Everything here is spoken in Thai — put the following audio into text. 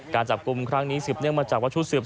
การจับกลุ่มครั้งนี้สืบเนื่องมาจากว่าชุดสืบ